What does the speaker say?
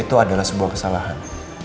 itu adalah sebuah kesalahan